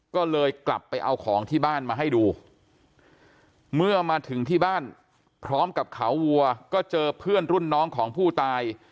ก็เลยกลับไปเอาของที่บ้านมาให้ดูเมื่อมาถึงที่บ้านพร้อมกับเขาวัวก็เจอเพื่อนรุ่นน้องของผู้ตาย